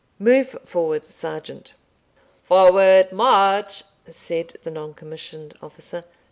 Move forward, sergeant." "Forward! march!" said the non commissioned officer.